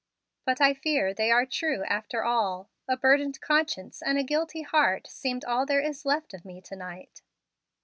But I fear they are true, after all. A burdened conscience and a guilty heart seem all there is of me to night."